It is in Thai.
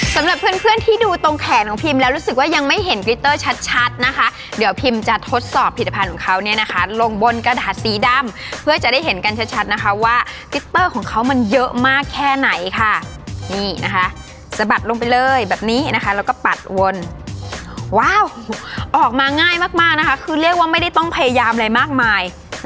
สำหรับเพื่อนเพื่อนที่ดูตรงแขนของพิมแล้วรู้สึกว่ายังไม่เห็นกริตเตอร์ชัดนะคะเดี๋ยวพิมจะทดสอบผลิตภัณฑ์ของเขาเนี่ยนะคะลงบนกระดาษสีดำเพื่อจะได้เห็นกันชัดนะคะว่ากริตเตอร์ของเขามันเยอะมากแค่ไหนค่ะนี่นะคะสะบัดลงไปเลยแบบนี้นะคะแล้วก็ปัดวนว้าวออกมาง่ายมากนะคะคือเรียกว่าไม่ได้ต้องพยายามอะไรมากมาย